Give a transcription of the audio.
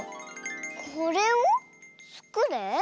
「これをつくれ」？